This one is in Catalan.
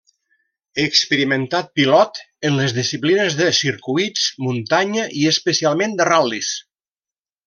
Experimentat pilot en les disciplines de circuits, muntanya i especialment de ral·lis.